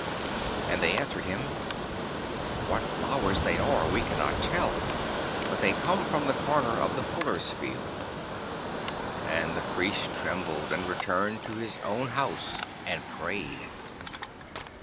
And they answered him, 'What flowers they are we cannot tell, but they come from the corner of the Fullers' Field.' And the Priest trembled, and returned to his own house and prayed.